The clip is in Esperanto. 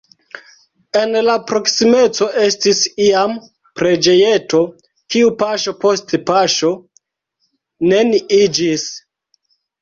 En la proksimeco estis iam preĝejeto, kiu paŝo post paŝo neniiĝis.